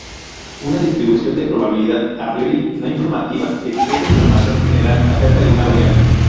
Una distribución de probabilidad "a priori no-informativa" expresa información general acerca de una variable.